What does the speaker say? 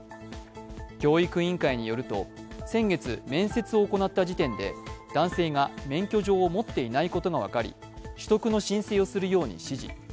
教育委員会によると、先月、面接を行った時点で男性が免許状を持っていないことが分かり取得の申請をするように指示。